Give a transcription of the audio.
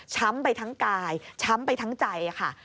ไปทั้งกายช้ำไปทั้งใจค่ะ